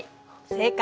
正解。